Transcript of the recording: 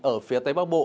ở phía tây bắc bộ